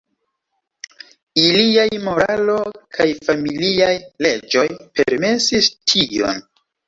Iliaj moralo kaj familiaj leĝoj permesis tion.